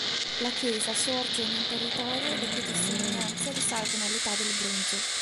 La chiesa sorge in un territorio le cui testimonianze risalgono all'età del bronzo.